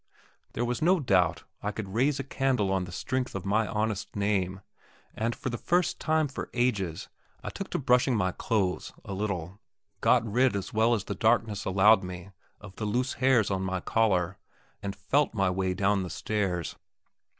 There was no doubt I could raise a candle on the strength of my honest name; and for the first time for ages I took to brushing my clothes a little, got rid as well as the darkness allowed me of the loose hairs on my collar, and felt my way down the stairs.